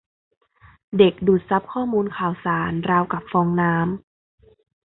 เด็กดูดซับข้อมูลข่าวสารราวกับฟองน้ำ